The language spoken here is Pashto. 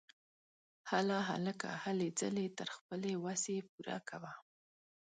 هله هلکه ! هلې ځلې تر خپلې وسې پوره کوه!